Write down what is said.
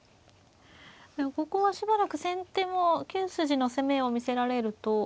ここはしばらく先手も９筋の攻めを見せられると。